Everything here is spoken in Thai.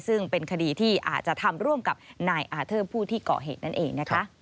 ซึ่งเป็นคดีที่อาจจะทำร่วมกับนายอาเทอร์ผู้ที่เกาะเหตุนั่นเองนะคะ